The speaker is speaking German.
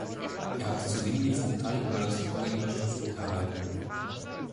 Er hatte zudem die Vogtei über das Öhringer Stift erhalten.